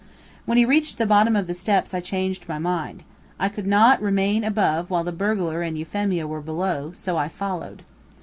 When he reached the bottom of the steps I changed my mind. I could not remain above while the burglar and Euphemia were below, so I followed.